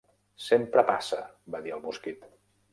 "Sempre passa", va dir el mosquit.